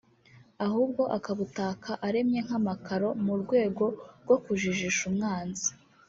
ahubwo akabutaka aremye nk’amakaro mu rwego rwo kujijisha umwanzi